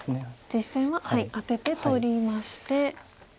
実戦はアテて取りまして。